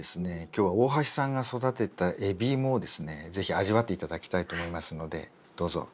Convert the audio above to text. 今日は大箸さんが育てた海老芋をですね是非味わって頂きたいと思いますのでどうぞ。